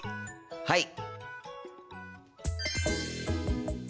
はい！